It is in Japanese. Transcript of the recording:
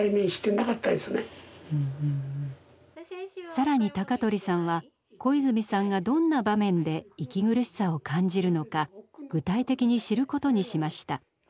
更に高取さんは小泉さんがどんな場面で息苦しさを感じるのか具体的に知ることにしました。